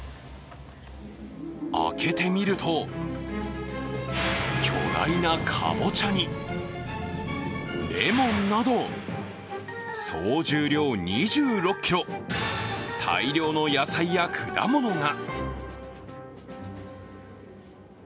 開けてみると巨大なかぼちゃにレモンなど総重量２６ｋｇ、大量の野菜や果物が。